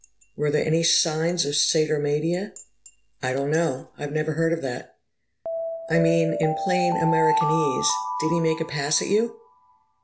"Were there any signs of Satyromania?" "I don't know. I never heard of that." "I mean, in plain Americanese, did he make a pass at you?"